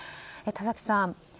田崎さん。